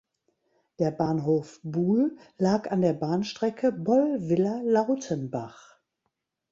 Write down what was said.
Der Bahnhof Buhl lag an der Bahnstrecke Bollwiller–Lautenbach.